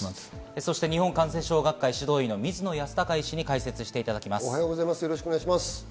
そして日本感染症学会・指導医の水野泰孝医師に解説していただきます。